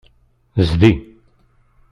Zdi.